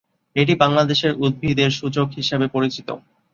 এটি বাংলাদেশের উদ্ভিদের সূচক হিসাবে পরিচিত।